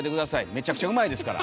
めちゃくちゃうまいですから。